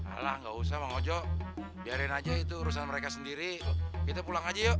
alah nggak usah bang ojo biarin aja itu urusan mereka sendiri kita pulang aja yuk